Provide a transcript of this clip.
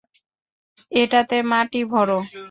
এটাতে মাটি ভরো!